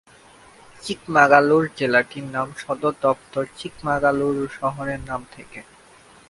চিকমাগালুর জেলাটির নাম সদর দফতর চিকমাগালুর শহরের নাম থেকে।